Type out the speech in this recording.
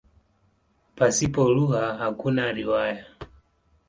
Pasipo lugha hakuna riwaya.